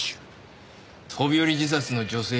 「飛び降り自殺の女性